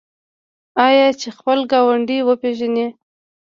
آیا چې خپل ګاونډی وپیژني؟